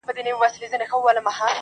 نشته د بل جز دې زړه راښکون هسې